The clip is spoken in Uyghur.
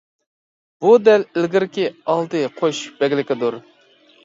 بۇ دەل ئىلگىرىكى ئالدى قوش بەگلىكىدۇر.